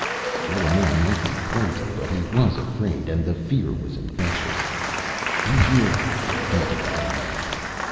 The little man might be crazy, but he was afraid. And the fear was infectious. "In here!" panted the little man.